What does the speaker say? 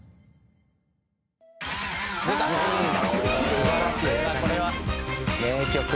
「素晴らしい！名曲」